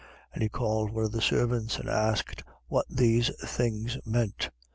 15:26. And he called one of the servants, and asked what these things meant.